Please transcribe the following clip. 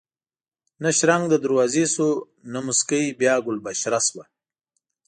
نه شرنګ د دروازې شو نه موسکۍ بیا ګل بشره شوه